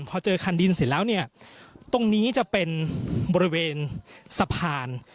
พอเจอคันดินเสร็จแล้วเนี่ยตรงนี้จะเป็นบริเวณสะพาน